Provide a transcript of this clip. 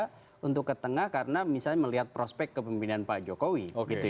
karena untuk ke tengah karena misalnya melihat prospek kepemimpinan pak jokowi